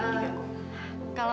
kalau ada yang gak ada